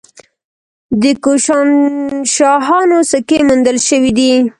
د کوشانشاهانو سکې موندل شوي دي